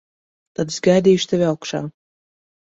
Tad es gaidīšu tevi augšā.